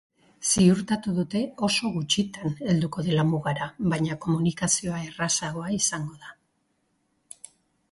Ziurtatu dute oso gutxitan helduko dela mugara, baina komunikazioa errazagoa izango da.